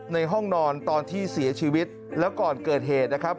ในห้องนอนตอนที่เสียชีวิตแล้วก่อนเกิดเหตุนะครับ